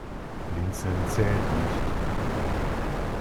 Blinzeln zählt nicht.